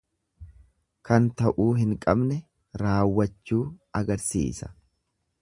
Kan ta'uu hin qabne raawwachuu agarsiisa.